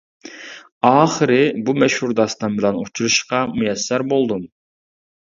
ئاخىرى، بۇ مەشھۇر داستان بىلەن ئۇچرىشىشقا مۇيەسسەر بولدۇم.